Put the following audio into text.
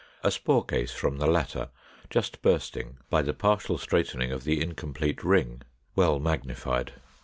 A spore case from the latter, just bursting by the partial straightening of the incomplete ring; well magnified.